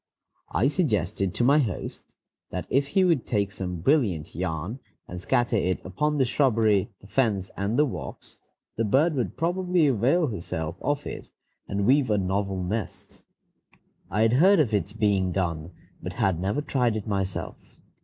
I suggested to my host that if he would take some brilliant yarn and scatter it about upon the shrubbery, the fence, and the walks, the bird would probably avail herself of it, and weave a novel nest. I had heard of its being done, but had never tried it myself.